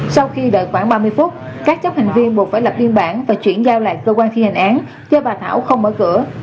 sau khi đợi khoảng ba mươi phút các chấp hành viên buộc phải lập biên bản và chuyển giao lại cơ quan thi hành án cho bà thảo không mở cửa